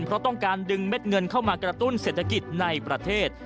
เพราะต้องการดึงเม็ดเงินเข้ามากระตุ้นเศรษฐกิจในประเทศ